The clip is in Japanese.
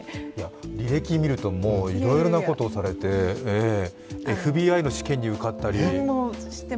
履歴を見ると、もういろいろなことをされてＦＢＩの試験に受かったり。